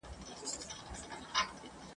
زیاتوالی را منځته سو